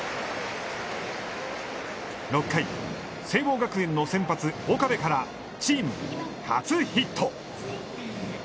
６回、聖望学園の先発岡部からチーム初ヒット。